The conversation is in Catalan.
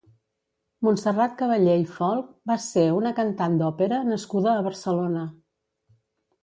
Montserrat Caballé i Folch va ser una cantant d'òpera nascuda a Barcelona.